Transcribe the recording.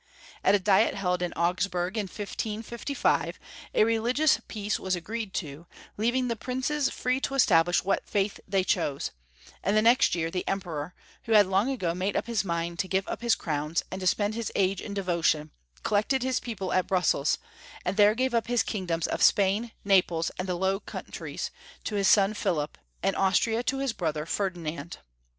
At a diet held at Augsburg, in 1555, a religious peace was agreed to, leaving the princes free to establish what faith they chose, and the next 3'^ear the Emperor, who had long ago made up his mind to give up liis crowns, and spend Ms age in devotion, collected his people at Brussels, and there gave up his kingdoms of Spain, Naples, and the Low Countries to liis son Philip, and Austria to liis brother Ferdinand.